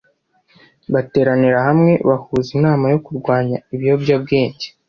bateranira hamwe bahuza inama yo kurwanya ibiyobyabwenge